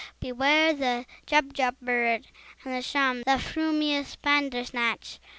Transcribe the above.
Beware the Jubjub bird, and shun The frumious Bandersnatch!"